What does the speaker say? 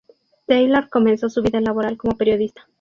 Taylor comenzó su vida laboral como periodista.